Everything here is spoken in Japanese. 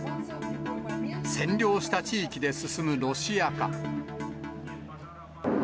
占領した地域で進むロシア化。